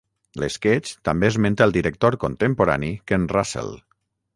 L'esquetx també esmenta el director contemporani Ken Russell.